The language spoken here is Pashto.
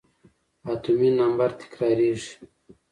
اتومي نمبر تکرارېږي.